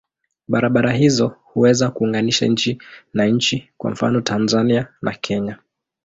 Barabara hizo huweza kuunganisha nchi na nchi, kwa mfano Tanzania na Kenya.